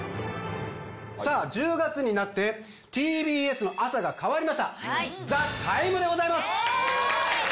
さあ１０月になってＴＢＳの朝が変わりました「ＴＨＥＴＩＭＥ，」でございます